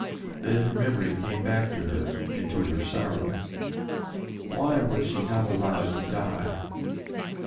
Then her memory came back to her and to her sorrows. Why was she not allowed to die